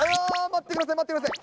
待ってください、待ってください。